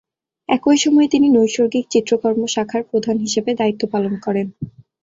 একই সময়ে তিনি নৈসর্গিক চিত্রকর্ম শাখার প্রধান হিসেবে দায়িত্ব পালন করেন।